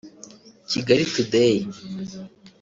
Kigalitoday